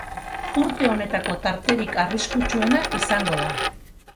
Urte honetako tarterik arriskutsuena izango da.